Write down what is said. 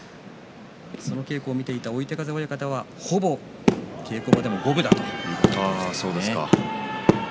その稽古を見ていた追手風親方はほぼ稽古場でも五分だったと話しています。